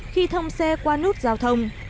khi thông xe qua nút giao thông